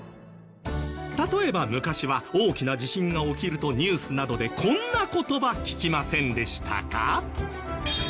例えば昔は大きな地震が起きるとニュースなどでこんな言葉聞きませんでしたか？